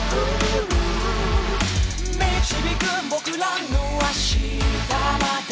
「導く僕らの明日まで」